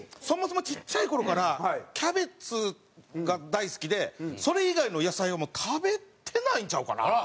そもそもちっちゃい頃からキャベツが大好きでそれ以外の野菜を食べてないんちゃうかな？